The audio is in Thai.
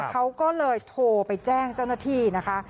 เขาก็เลยโทรไปแจ้งเจ้าหน้าที่นะคะ